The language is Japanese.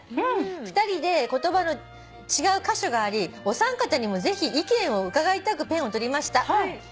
「２人で言葉の違う箇所がありお三方にもぜひ意見を伺いたくペンを執りました」